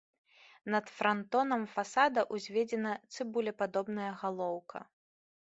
Над франтонам фасада ўзведзена цыбулепадобная галоўка.